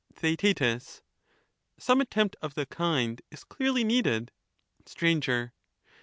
TheaeU Some attempt of the kind is clearly needed. Sir.